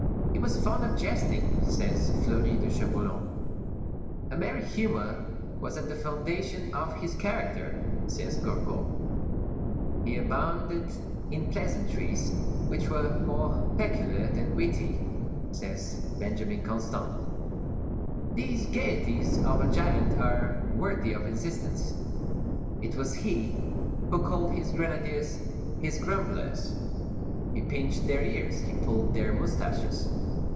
"He was fond of jesting," says Fleury de Chaboulon. "A merry humor was at the foundation of his character," says Gourgaud. "He abounded in pleasantries, which were more peculiar than witty," says Benjamin Constant. These gayeties of a giant are worthy of insistence. It was he who called his grenadiers "his grumblers"; he pinched their ears; he pulled their moustaches.